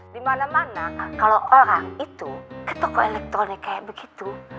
dimana mana kalau orang itu ke toko elektronik kayak begitu